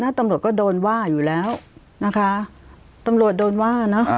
ตำรวจก็โดนว่าอยู่แล้วนะคะตำรวจโดนว่าเนอะ